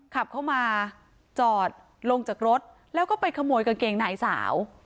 ขับเข้ามาจอดลงจากรถแล้วก็ไปขโมยกางเกงนายสาว